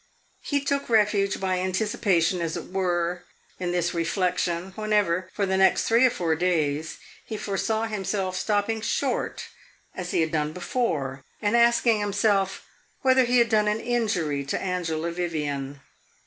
He took refuge by anticipation, as it were, in this reflection, whenever, for the next three or four days, he foresaw himself stopping short, as he had done before, and asking himself whether he had done an injury to Angela Vivian.